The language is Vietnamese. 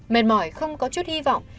mệt mỏi không có chút hy vọng